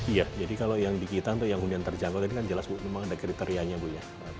iya jadi kalau yang di kita untuk yang hunian terjangkau tadi kan jelas bu memang ada kriterianya bu ya